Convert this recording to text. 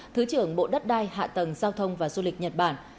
thứ trưởng bộ đất đai hạ tầng giao thông và du lịch nhật bản